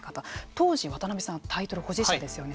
当時、渡辺さんはタイトル保持者ですよね。